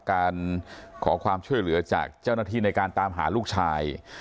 การขอความช่วยเหลือจากเจ้าหน้าที่ในการตามหาลูกชาย